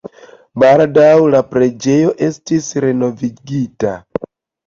Baldaŭe la preĝejo estis renovigita.